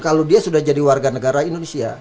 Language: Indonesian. kalau dia sudah jadi warga negara indonesia